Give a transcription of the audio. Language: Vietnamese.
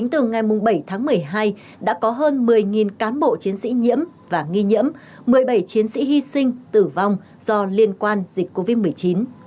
ngày bảy tháng một mươi hai đã có hơn một mươi cán bộ chiến sĩ nhiễm và nghi nhiễm một mươi bảy chiến sĩ hy sinh tử vong do liên quan dịch covid một mươi chín